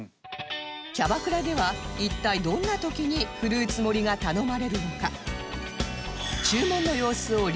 キャバクラでは一体どんな時にフルーツ盛りが頼まれるのか？